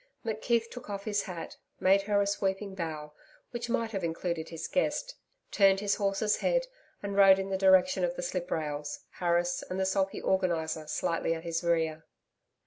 McKeith took off his hat, made her a sweeping bow, which might have included his guest, turned his horse's head and rode in the direction of the sliprails, Harris and the sulky Organiser slightly at his rear.